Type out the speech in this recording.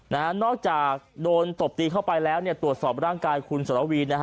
นอกจากโดนตบตีเข้าไปแล้วเนี่ยตรวจสอบร่างกายคุณสรวีนะฮะ